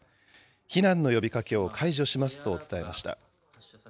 避難の呼びかけを解除しますと伝えました。